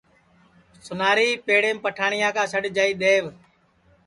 سُناری پیڑیم پیٹھٹؔیا کا سڈؔ جائی دؔیو